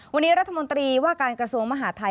วันนี้รัฐมนตรีว่าการกระทรวงมหาทัย